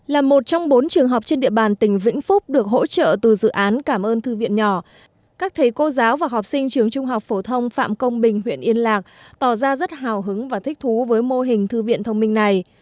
là một trong bốn trường học trên địa bàn tỉnh vĩnh phúc được hỗ trợ từ dự án cảm ơn thư viện nhỏ các thầy cô giáo và học sinh trường trung học phổ thông phạm công bình huyện yên lạc tỏ ra rất hào hứng và thích thú với mô hình thư viện thông minh này